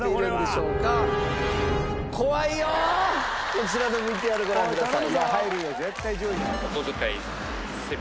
こちらのＶＴＲご覧ください。